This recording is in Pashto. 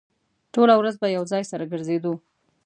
ټوله ورځ به يو ځای سره ګرځېدو.